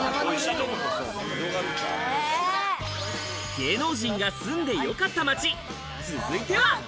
芸能人が住んでよかった街、続いては。